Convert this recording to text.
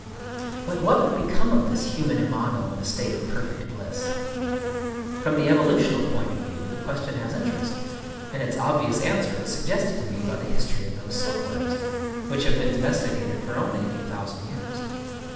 But what would become of this human imago in a state of perfect bliss? From the evolutional point of view the question has interest; and its obvious answer was suggested to me by the history of those silkworms,—which have been domesticated for only a few thousand years.